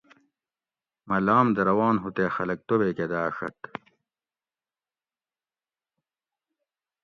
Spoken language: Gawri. مہ لام دہ روان ھو تے خلک توبیکہ داڛت